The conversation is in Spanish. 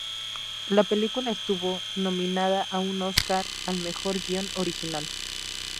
La película estuvo nominada a un Oscar al mejor guion original.